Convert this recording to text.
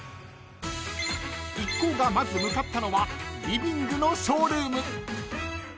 ［一行がまず向かったのはリビングのショールーム］